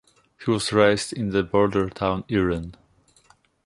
He was raised in the border town Irun.